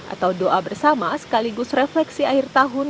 atau doa bersama sekaligus refleksi akhir tahun